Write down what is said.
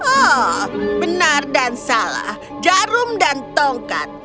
oh benar dan salah jarum dan tongkat